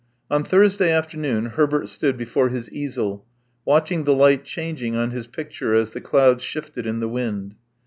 On Thursday afternoon Herbert stood before his easel, watching the light changing on his picture as the clouds shifted in the wind.